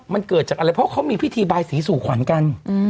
มันเกิดจากอะไรเพราะเขามีพิธีบายสีสู่ขวัญกัน